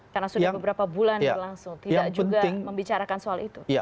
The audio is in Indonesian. karena sudah beberapa bulan langsung tidak juga membicarakan soal itu